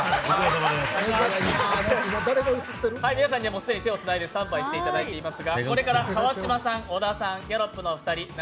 皆さんには既に手をつないでスタンバイしていただいております。